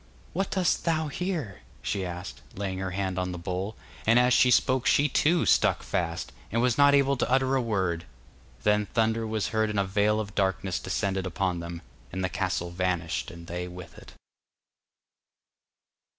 'What dost thou here?' she asked, laying her hand on the bowl, and as she spoke she too stuck fast, and was not able to utter a word. Then thunder was heard and a veil of darkness descended upon them, and the castle vanished and they with it.